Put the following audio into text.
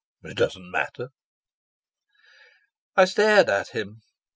It doesn't matter." I stared at him.